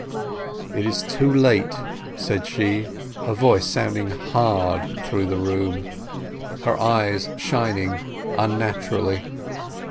"It is too late," said she, her voice sounding hard through the room, her eyes shining unnaturally.